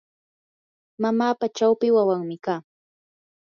mamapa chawpi wawanmi kaa.